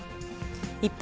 一方、